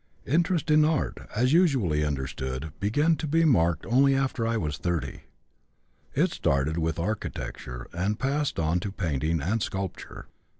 "Interest in 'art' as usually understood began to be marked only after I was 30. It started with architecture and passed on to painting and sculpture.